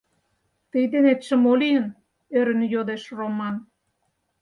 — Тый денетше мо лийын? — ӧрын йодеш Роман.